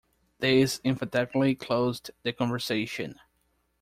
This emphatically closed the conversation.